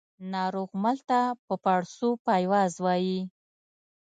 ناروغمل ته په پاړسو پایواز وايي